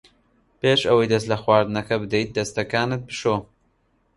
پێش ئەوەی دەست لە خواردنەکە بدەیت دەستەکانت بشۆ.